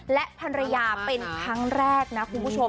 และภรรยาเป็นครั้งแรกนะคุณผู้ชม